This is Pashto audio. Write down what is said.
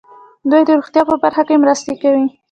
دوی د روغتیا په برخه کې مرستې کوي.